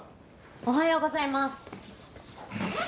おはようございます。